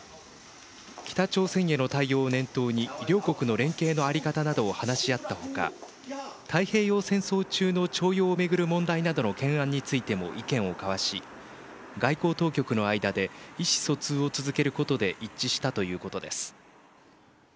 北朝鮮への対応を念頭に両国の連携の在り方などを話し合った他太平洋戦争中の徴用を巡る問題などの懸案についても意見を交わし外交当局の間で意思疎通を続けることで一致したということです。